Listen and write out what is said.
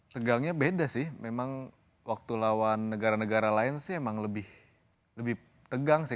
tegangnya beda sih memang waktu lawan negara negara lain sih emang lebih tegang sih